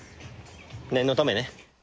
念のためね。